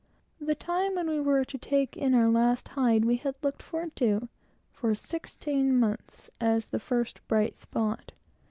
The time when we were to take in our last hide, we had looked forward to, for sixteen months, as the first bright spot.